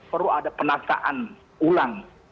perlu ada penataan ulang